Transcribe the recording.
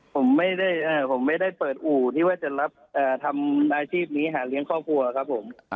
ผมไม่ได้ผมไม่ได้เปิดอู่ที่ว่าจะรับทำอาชีพนี้หาเลี้ยงครอบครัวครับผม